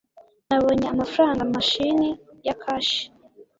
Nabonye amafaranga mashini ya cash